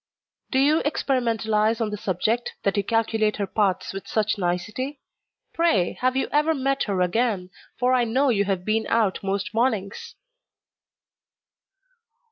"Do you experimentalize on the subject, that you calculate her paths with such nicety? Pray, have you ever met her again, for I know you have been out most mornings?"